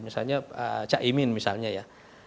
misalnya cak imin misalnya ya